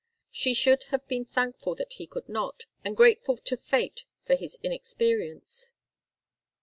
She should have been thankful that he could not, and grateful to fate for his inexperience.